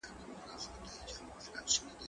زه انځور ليدلی دی؟